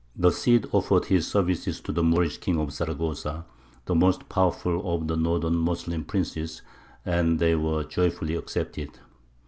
The Cid offered his services to the Moorish King of Zaragoza, the most powerful of the northern Moslem princes; and they were joyfully accepted.